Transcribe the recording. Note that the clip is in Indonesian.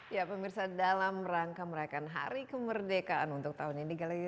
ya pemirsa dalam rangka merayakan hari kemerdekaan untuk tahun ini